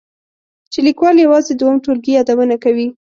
چې لیکوال یوازې د اووم ټولګي یادونه کوي.